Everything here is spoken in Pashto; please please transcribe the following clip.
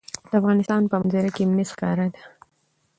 د افغانستان په منظره کې مس ښکاره ده.